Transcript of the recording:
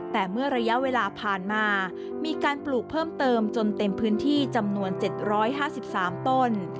แต่เมื่อระยะเวลาผ่านมามีการปลูกเพิ่มเติมจนเต็มพื้นที่จำนวน๗๕๓ต้น